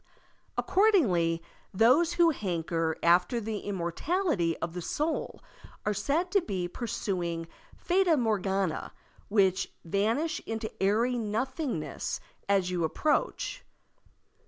Accordingly, those who hanker after the immortality of the soul are said to be pursuing fata morgana which vanish into airy nothingness as you approach.